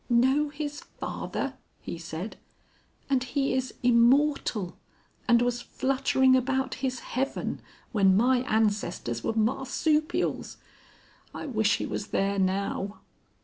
"Know his father!" he said. "And he is immortal, and was fluttering about his heaven when my ancestors were marsupials.... I wish he was there now."